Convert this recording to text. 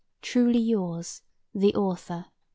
Truly yours, THE AUTHOR.